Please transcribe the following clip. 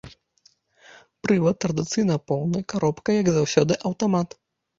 Прывад традыцыйна поўны, каробка, як заўсёды, аўтамат.